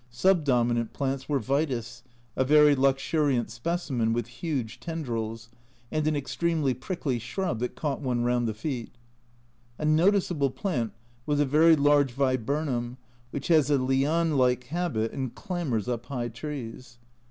Sub dominant plants were Vitis, a very luxuriant specimen with huge tendrils, and an extremely prickly shrub that caught one round the feet. A noticeable plant was a very large Viburnum, which has a liane like habit and clambers up high trees.